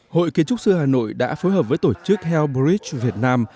hội kiến trúc sư hà nội đã phối hợp với tổ chức hellbrid việt nam